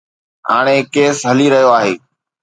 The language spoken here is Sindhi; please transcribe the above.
هاڻي ڪيس هلي رهيو آهي.